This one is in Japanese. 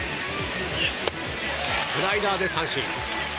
スライダーで三振。